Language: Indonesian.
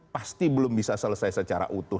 pasti belum bisa selesai secara utuh